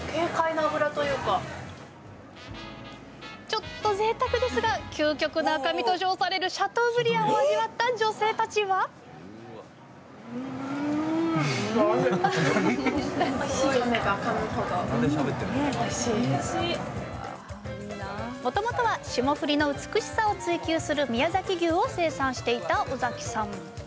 ちょっと贅沢ですが究極の赤身と称されるシャトーブリアンを味わった女性たちはもともとは霜降りの美しさを追求する宮崎牛を生産していた尾崎さん。